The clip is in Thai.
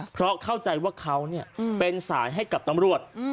เพราะเข้าใจว่าเขาเป็นสายให้กับตำรวจ